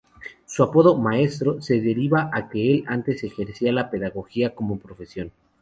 Su apodo "Maestro" se deriva a que el antes ejercía la Pedagogía como profesión.